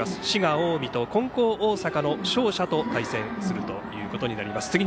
滋賀、近江と金光大阪の勝者と対戦するということになります。